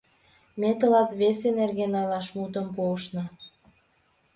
Ме тылат весе нерген ойлаш мутым пуышна!